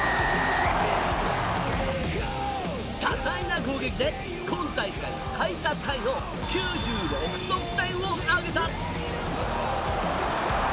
多彩な攻撃で今大会最多タイの９６得点を挙げた。